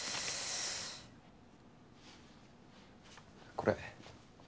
これ。